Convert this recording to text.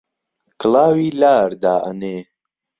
کڵاوی لار دائەنێ